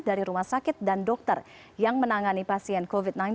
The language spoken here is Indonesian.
dari rumah sakit dan dokter yang menangani pasien covid sembilan belas